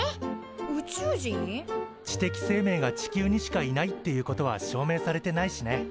知的生命が地球にしかいないっていうことは証明されてないしね。